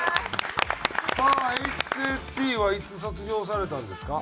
さあＨＫＴはいつ卒業されたんですか？